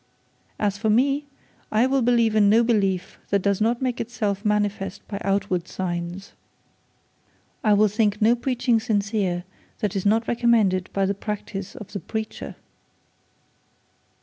As for me, I will believe in no belief that does not make itself manifest by outward signs. I will think no preaching sincere that is not recommended by the practice of the preacher.'